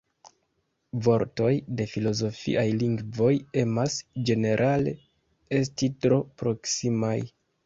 Vortoj de filozofiaj lingvoj emas, ĝenerale, esti tro proksimaj.